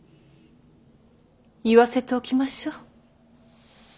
言わせておきましょう。